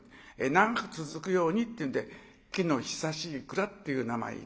長く続くようにっていうんで木の久しい蔵っていう名前頂きまして。